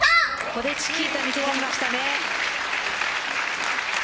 ここでチキータ、見せましたね。